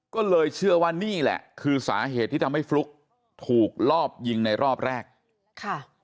ก็เลยเชื่อว่านี่แหละคือสาเหตุที่ทำให้ฟลุ๊กถูกลอบยิงในรอบแรกค่ะ